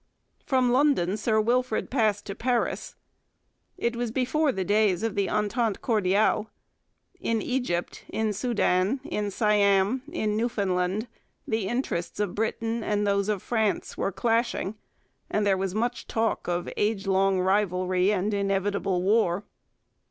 From London Sir Wilfrid passed to Paris. It was before the days of the entente cordiale. In Egypt, in Soudan, in Siam, in Newfoundland, the interests of Britain and those of France were clashing, and there was much talk of age long rivalry and inevitable war.